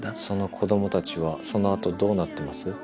「その子供たちはその後どうなってます？」